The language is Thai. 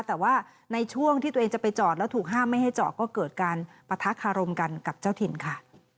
แต่ว่าในช่วงที่ตัวเองจะไปจอดแล้วถูกห้ามไม่ให้จอดก็เกิดการปะทะคารมกันกับเจ้าถิ่นค่ะ